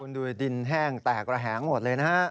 คุณดูดินแห้งแตกระแหงหมดเลยนะครับ